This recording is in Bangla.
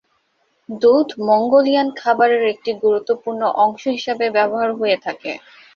দুধ মঙ্গোলিয়ান খাবারের একটি গুরুত্বপূর্ণ অংশ হিসেবে ব্যবহার হয়ে থাকে।